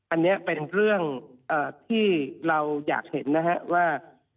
อันนี้เป็นเรื่องที่เราอยากเห็นนะฮะว่า